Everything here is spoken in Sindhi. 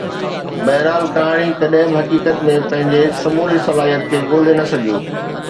بهرحال ڪهاڻي ڪڏهن به حقيقت ۾ پنهنجي سموري صلاحيت کي ڳولي نه سگهيو